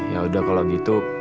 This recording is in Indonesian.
yaudah kalau gitu